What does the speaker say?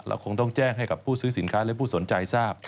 คงต้องแจ้งให้กับผู้ซื้อสินค้าและผู้สนใจทราบ